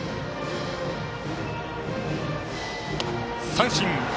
三振。